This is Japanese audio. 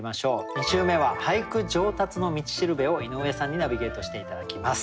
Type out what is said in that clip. ２週目は俳句上達の道しるべを井上さんにナビゲートして頂きます。